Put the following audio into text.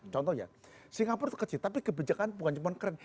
contohnya singapura itu kecil tapi kebijakan bukan cuma keren